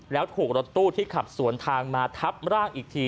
แล้วถูกรถตู้ที่ขับสวนทางมาทับร่างอีกที